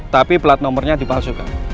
tapi plat nomernya dipalsukan